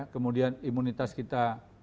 kemudian imunitas kita menjadi bagus